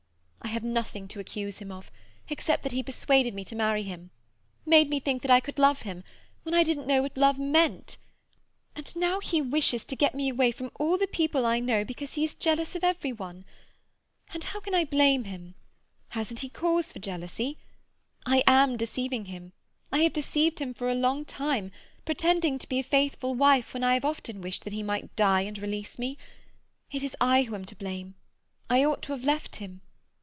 "I have nothing to accuse him of, except that he persuaded me to marry him—made me think that I could love him when I didn't know what love meant. And now he wishes to get me away from all the people I know because he is jealous of every one. And how can I blame him? Hasn't he cause for jealousy? I am deceiving him—I have deceived him for a long time, pretending to be a faithful wife when I have often wished that he might die and release me. It is I who am to blame. I ought to have left him.